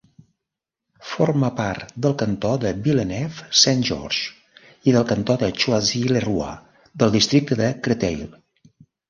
Forma part del cantó de Villeneuve-Saint-Georges i del cantó de Choisy-le-Roi, del districte de Créteil.